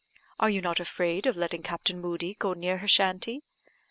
"Are you not afraid of letting Captain Moodie go near her shanty?"